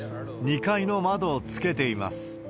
２階の窓をつけています。